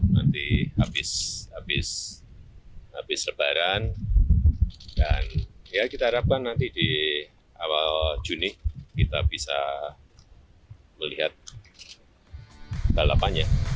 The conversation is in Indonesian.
nanti habis lebaran dan ya kita harapkan nanti di awal juni kita bisa melihat balapannya